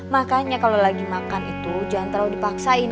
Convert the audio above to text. makanya kalau lagi makan itu jangan terlalu dipaksain